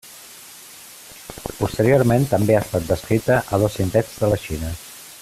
Posteriorment també ha estat descrita a dos indrets de la Xina.